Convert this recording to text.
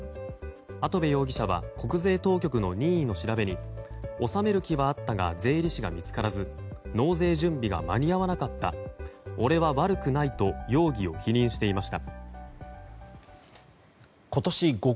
跡部容疑者は国税当局の任意の調べに納める気はあったが税理士が見つからず納税準備が間に合わなかった俺は悪くないと容疑を否認していました。